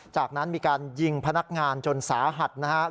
จากนั้นมีการยิงพนักงานจนสาหัสนะครับ